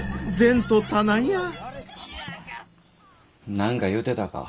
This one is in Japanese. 何か言うてたか？